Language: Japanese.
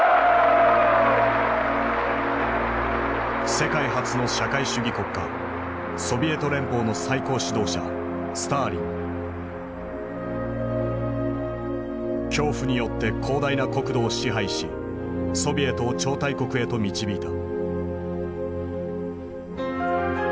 世界初の社会主義国家ソビエト連邦の最高指導者恐怖によって広大な国土を支配しソビエトを超大国へと導いた。